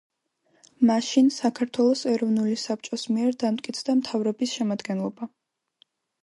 მაშინ საქართველოს ეროვნული საბჭოს მიერ დამტკიცდა მთავრობის შემადგენლობა.